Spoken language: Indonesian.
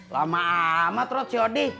lama amat rat si odi